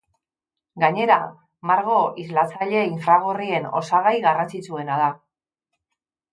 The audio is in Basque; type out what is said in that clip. Gainera, margo islatzaile infragorrien osagai garrantzitsuena da.